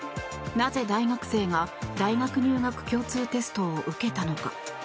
なぜ、大学生が大学入学共通テストを受けたのか。